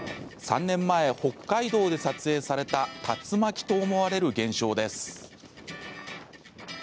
３年前、北海道で撮影された竜巻と思われる現象です。